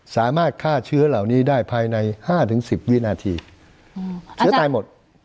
สามารถฆ่าเชื้อเหล่านี้ได้ภายใน๕๑๐วินาทีเชื้อตายหมด